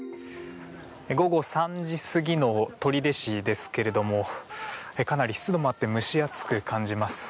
午後３時過ぎの取手市ですけれどもかなり湿度もあって蒸し暑く感じます。